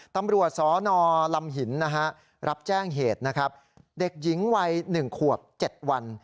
ตำรวจสนลำหินรับแจ้งเหตุเด็กหญิงวัย๑ขวบ๗วัน